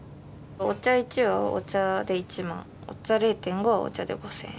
お茶１はお茶で１万お茶０．５はお茶で５，０００円。